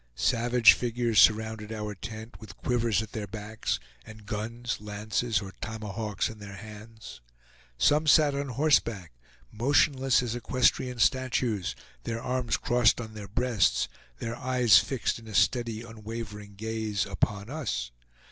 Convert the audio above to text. Savage figures surrounded our tent, with quivers at their backs, and guns, lances, or tomahawks in their hands. Some sat on horseback, motionless as equestrian statues, their arms crossed on their breasts, their eyes fixed in a steady unwavering gaze upon us.